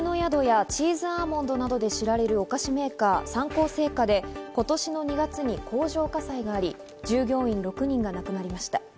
雪の宿やチーズアーモンドなどで知られるお菓子メーカー、三幸製菓で今年の２月に工場火災があり、従業員６人が亡くなりました。